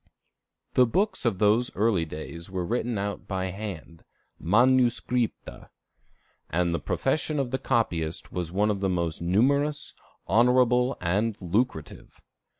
The books of those early days were written out by hand, manuscripta; and the profession of the copyist was one of the most numerous, honorable, and lucrative.